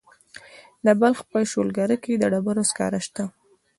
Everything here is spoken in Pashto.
د بلخ په شولګره کې د ډبرو سکاره شته.